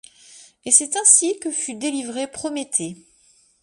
Et c’est ainsi que fut délivré Prométhée.